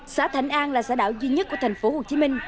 xã thạnh an là xã đảo duy nhất của thành phố hồ chí minh